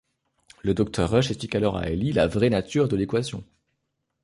Le Dr Rush explique alors à Eli la vraie nature de l'équation.